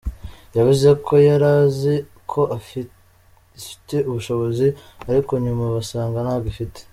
Yavuze ko yari azi ko ifite ubushobozi ariko nyuma basanga ntabwo ifite.